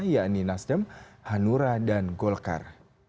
yakni nasdem hanura dan golkar